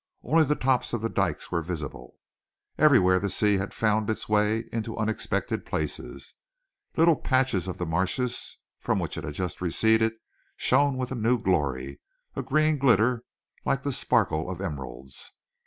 Only the tops of the dykes were visible. Everywhere the sea had found its way into unexpected places. Little patches of the marsh from which it had just receded shone with a new glory a green glitter like the sparkle of emeralds.